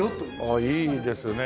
ああいいですね。